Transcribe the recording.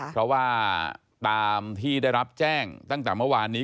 เพราะว่าตามที่ได้รับแจ้งตั้งแต่เมื่อวานนี้